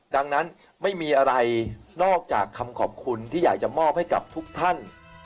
ดังนั้นไม่มีอะไรนอกจากคำขอบคุณที่อยากจะมอบให้กับทุกท่าน